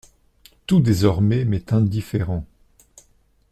Tout désormais m'est indifférent.